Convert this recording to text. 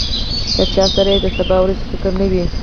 له چا سره چې د سبا ورځې فکر نه وي.